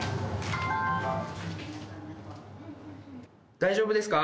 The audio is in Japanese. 大丈夫ですか？